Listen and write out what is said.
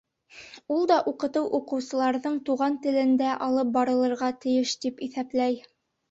Ул да уҡытыу уҡыусыларҙың туған телендә алып барылырға тейеш тип иҫәпләй.